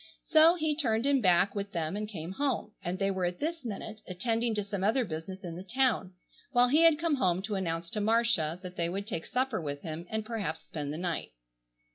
So he turned him back with them and came home, and they were at this minute attending to some other business in the town, while he had come home to announce to Marcia that they would take supper with him and perhaps spend the night.